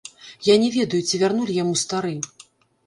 Я не ведаю, ці вярнулі яму стары.